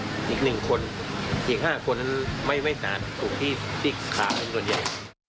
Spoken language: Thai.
อีก๕คนไม่สาดถูกที่ติ๊กขาตัวใหญ่